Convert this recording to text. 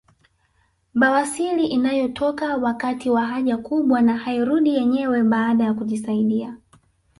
Bawasiri inayotoka wakati wa haja kubwa na hairudi yenyewe baada ya kujisaidia